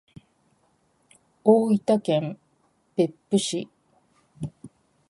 大分県別府市